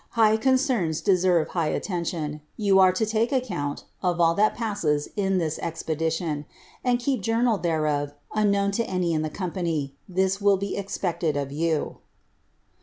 High concerns deserve high attention ; you are to take account of all that passes in this expe dition, and keep journal thereof unknown to any in the company — this will be expected of you."